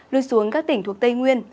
lưu xuống các tỉnh thuộc tây nguyên